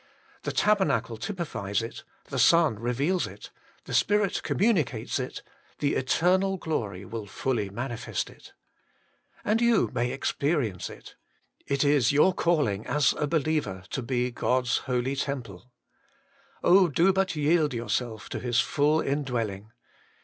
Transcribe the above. The tabernacle typifies it, the Son reveals it, the Spirit communicates it, the eternal glory will fully manifest it. And you may experience it. It is your calling as a believer to be God's Holy Temple. Oh, do but yield yourself to His full indwelling